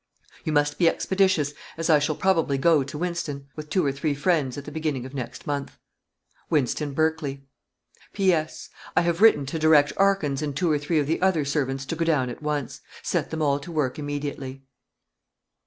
You must be expeditious, as I shall probably go down to Wynston, with two or three friends, at the beginning of next month. "WYNSTON BERKLEY "P.S. I have written to direct Arkins and two or three of the other servants to go down at once. Set them all to work immediately."